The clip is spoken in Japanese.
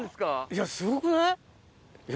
⁉いやすごくない？